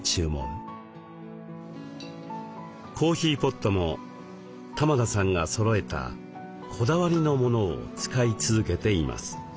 コーヒーポットも玉田さんがそろえたこだわりのものを使い続けています。